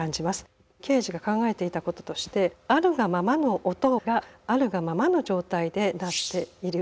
ケージが考えていたこととしてあるがままの音があるがままの状態で鳴っている。